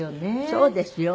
そうですよ。